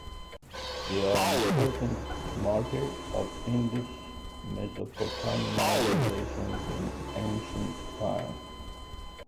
They are an important marker of Indus–Mesopotamia relations in ancient times.